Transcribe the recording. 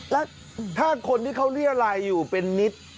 แล้วถ้าคนที่เขาเรียรัยอยู่เป็นนิด